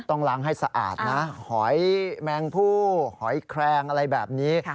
ต้องล้างให้สะอาดนะหอยแมงผู้หอยแครงอะไรแบบนี้